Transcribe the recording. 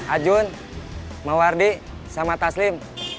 ajun mawardi sama taslim